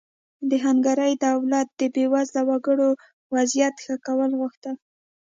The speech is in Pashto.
د هنګري دولت د بېوزله وګړو وضعیت ښه کول غوښتل.